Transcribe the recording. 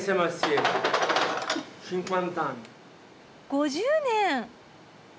５０年！